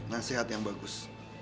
nasihat yang bagus